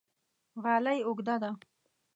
غالۍ اوږده ده